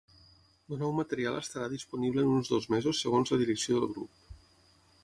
El nou material estarà disponible en uns dos mesos segons la direcció del grup.